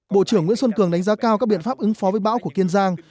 bộ trưởng nguyễn xuân cường đánh giá cao các biện pháp ứng phó với bão của kiên giang